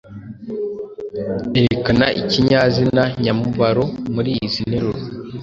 Erekana ikinyazina nyamubaro muri izi nteruro: